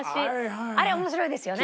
あれ面白いですよね。